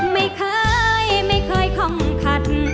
ไม่เคยไม่เคยค่องคัน